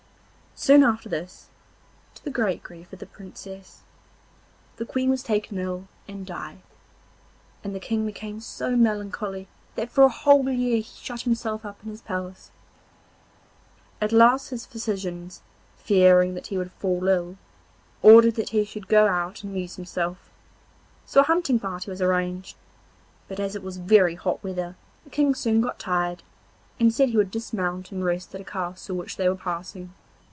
Soon after this, to the great grief of the Princess, the Queen was taken ill and died, and the King became so melancholy that for a whole year he shut himself up in his palace. At last his physicians, fearing that he would fall ill, ordered that he should go out and amuse himself; so a hunting party was arranged, but as it was very hot weather the King soon got tired, and said he would dismount and rest at a castle which they were passing.